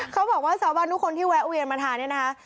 เค้าบอกว่าแสวบาททุกคนที่แวะอุเวทมาทานเนี้ยครับ